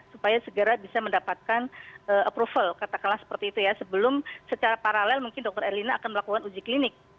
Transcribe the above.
supaya segera bisa mendapatkan approval katakanlah seperti itu ya sebelum secara paralel mungkin dokter erlina akan melakukan uji klinik